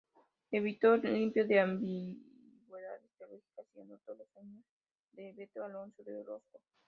Editó, limpió de "ambigüedades teológicas" y anotó los sueños del beato Alonso de Orozco.